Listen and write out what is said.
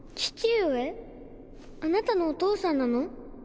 あなたのお父さんなの？